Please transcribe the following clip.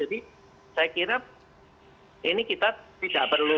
jadi saya kira ini kita tidak perlu